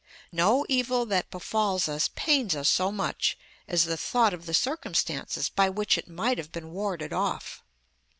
No evil that befalls us pains us so much as the thought of the circumstances by which it might have been warded off.